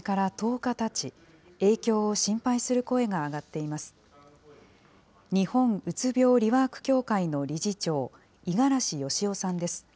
日本うつ病リワーク協会の理事長、五十嵐良雄さんです。